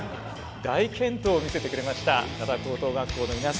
大健闘を見せてくれました灘高等学校の皆さん。